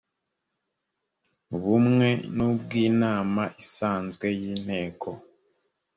bumwe n ubw inama isanzwe y inteko